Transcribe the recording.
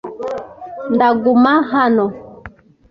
Ndaguma hano .